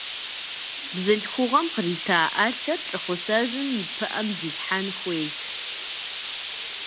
Бзылъхугъэм кърита ӏэлъэр лӏыхъусэжьым и пыӏэм дилъхьэн хуейт.